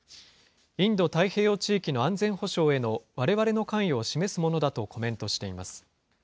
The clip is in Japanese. インド太平洋地域の安全保障へのわれわれの関与を示すものだとコメントしています。